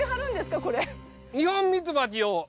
これ。